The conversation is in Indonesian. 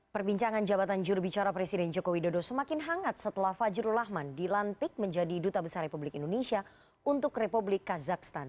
perbincangan jabatan jurubicara presiden joko widodo semakin hangat setelah fajrul rahman dilantik menjadi duta besar republik indonesia untuk republik kazakhstan